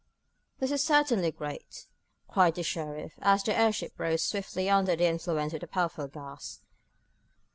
"This is certainly great!" cried the sheriff, as the airship rose swiftly under the influence of the powerful gas.